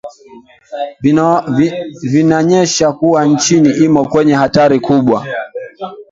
vinaonyesha kuwa nchi imo kwenye hatari kubwa